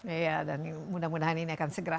iya dan mudah mudahan ini akan segera